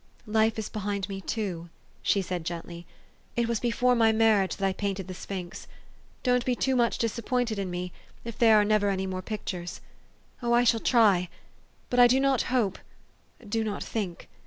'' Life is behind me too, '' she said gently. '' It was before my marriage that I painted the sphinx. Don't be too much disappointed in me, if there are never any more pictures. Oh, I shall try ! but I do not hope do not think.